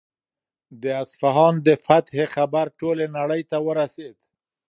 د اصفهان د فتحې خبر ټولې نړۍ ته ورسېد.